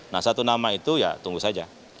nah satu nama itu ya tunggu saja